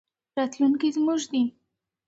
راتلونکی زموږ دی.